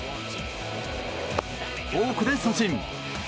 フォークで三振！